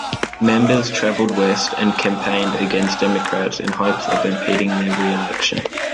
Members traveled west and campaigned against Democrats in hopes of impeding their reelection.